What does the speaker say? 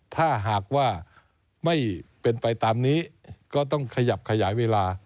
ถ้าหากว่าไม่เป็นไปตามนี้ก็ต้องขยับขยายเวลา